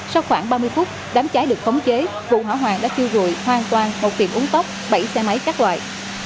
sau khoảng ba mươi phút đám cháy được phóng chế vụ hỏa hoàng đã chưa rùi hoàn toàn một tiệm uống tóc bảy xe máy các loại